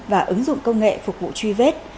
và ứng dụng công nghệ phục vụ truy vết